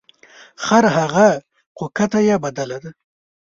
خرهغه خو کته یې بدله ده .